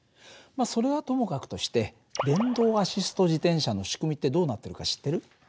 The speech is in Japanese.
まあそれはともかくとして電動アシスト自転車の仕組みってどうなってるか知ってる？